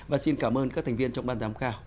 và xin cảm ơn các thành viên trong ban giám khảo